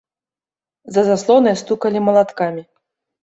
За заслонай стукалі малаткамі.